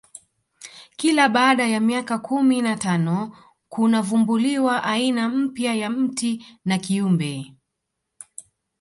kila baada ya miaka kumi na tano kunavumbuliwa aina mpya ya mti na kiumbe